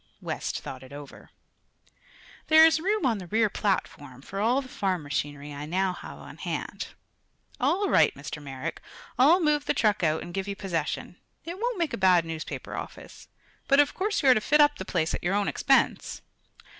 West thought it over. "There is room on the rear platform, for all the farm machinery I now have on hand. All right, Mr. Merrick; I'll move the truck out and give you possession. It won't make a bad newspaper office. But of course you are to fit up the place at your own expense."